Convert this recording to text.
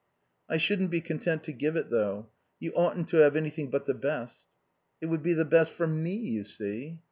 "I shouldn't be content to give it, though. You oughtn't to have anything but the best." "It would be the best for me, you see."